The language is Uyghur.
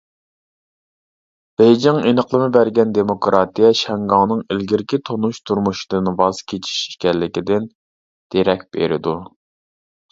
بېيجىڭ ئېنىقلىما بەرگەن دېموكراتىيە شياڭگاڭنىڭ ئىلگىرىكى تونۇش تۇرمۇشىدىن ۋاز كېچىش ئىكەنلىكىدىن دېرەك بېرىدۇ.